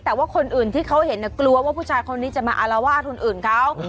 แต่ว่าคนอื่นที่เขาเห็นกลัวว่าผู้ชายคนนี้จะมาอารวาสคนอื่นเขา